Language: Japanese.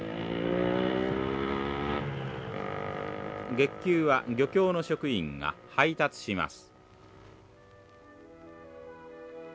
月給は漁協の職員が配達します。